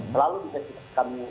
selalu bisa kami